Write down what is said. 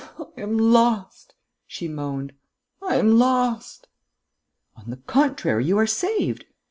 "I am lost!" she moaned. "I am lost!" "On the contrary, you are saved!